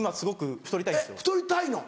太りたいの？